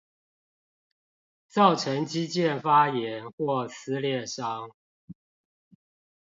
造成肌腱發炎或撕裂傷